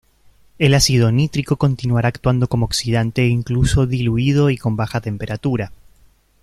El ácido nítrico continuará actuando como oxidante incluso diluido y con baja temperatura.